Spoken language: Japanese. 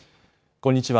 こんにちは。